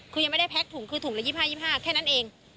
คือยังไม่ได้แพ็คถุงคือถุงละ๒๕๒๕แค่นั้นเอง